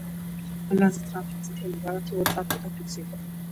. ყველაზე სწრაფი წითელი ბარათი ორ წამში დაფიქსირდა.